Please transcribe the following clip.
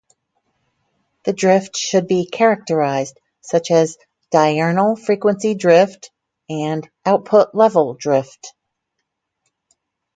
The drift should be characterized, such as "diurnal frequency drift" and "output level drift.